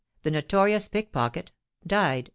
_The Notorious Pickpocket—died 1811.